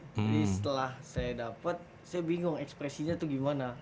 jadi setelah saya dapat saya bingung ekspresinya itu gimana